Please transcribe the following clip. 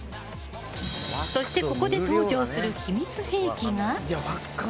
そして、ここで登場する秘密兵器が。